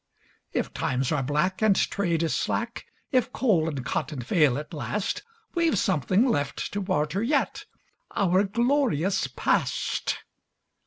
If times are black and trade is slack, If coal and cotton fail at last, We've something left to barter yet— Our glorious past.